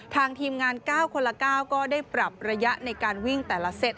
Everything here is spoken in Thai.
ทีมงาน๙คนละ๙ก็ได้ปรับระยะในการวิ่งแต่ละเซต